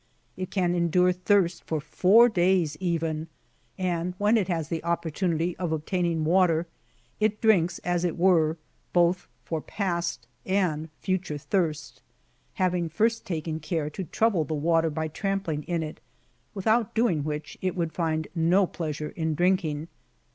^ It can endure thir?t for four days even, and when it has the opportunity of obtaining water, it drinks, as it were, both for past and future thirst, haviag first taken care to trouble the water by trampling in it ; without doing which, it would find no pleasure in drinking.